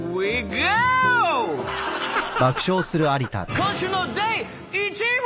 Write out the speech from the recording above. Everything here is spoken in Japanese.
今週の第１位は。